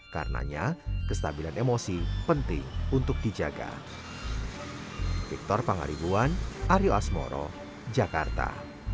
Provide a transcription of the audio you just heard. karenanya kestabilan emosi penting untuk dijaga